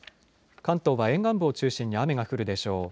関東は沿岸部を中心に雨が降るでしょう。